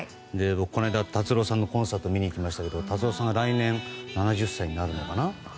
この間、達郎さんのコンサート見に行きましたけど達郎さんが来年７０歳になるのかな。